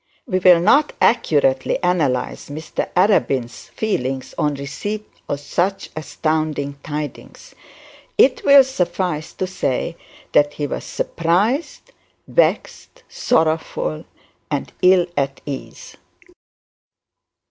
We will not accurately analyse Mr Arabin's feelings on receipt of such astounding tidings. It will suffice to say that he was surprised, vexed, sorrowful, and ill at ease.